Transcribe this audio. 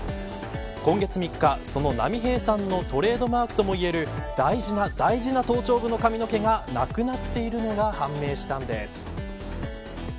今月３日、波平さんのトレードマークともいえる大事な大事な頭頂部の髪の毛がなくなっているのが判明したんです。